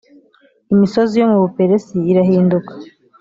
imisozi yo mu buperesi irahinduka